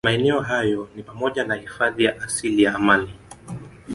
Maeneo hayo ni pamoja na hifadhi ya asili ya Amani